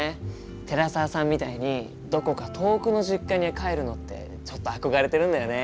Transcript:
寺澤さんみたいにどこか遠くの実家に帰るのってちょっと憧れてるんだよね。